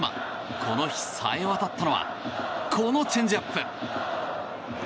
この日、さえ渡ったのはこのチェンジアップ。